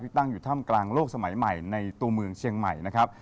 ตั้งอยู่ถ้ำกลางโลกสมัยใหม่ในตัวเมืองเชียงใหม่นะครับ